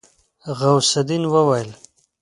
غوث الدين وويل.